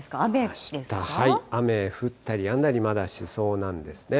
あした、雨降ったりやんだりまだしそうなんですね。